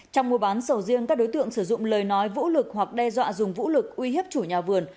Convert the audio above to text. trong mùa bán sầu riêng các đối tượng sử dụng lời nói vũ lực hoặc đe dọa dùng vũ lực uy hiếp chủ nhà vườn